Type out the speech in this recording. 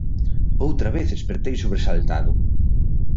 Outra vez espertei sobresaltado.